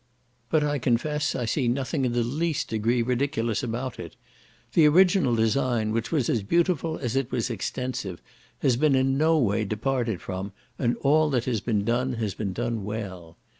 But I confess I see nothing in the least degree ridiculous about it; the original design, which was as beautiful as it was extensive, has been in no way departed from, and all that has been done has been done well.